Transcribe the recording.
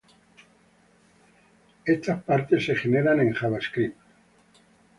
Estas partes se generan en JavaScript.